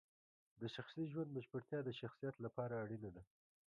د شخصي ژوند بشپړتیا د شخصیت لپاره اړینه ده.